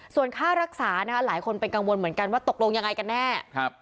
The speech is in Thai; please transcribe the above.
ส่วนค่ารักษานะคะหลายคนเป็นกังวลเหมือนกันว่าตกลงยังไงกันแน่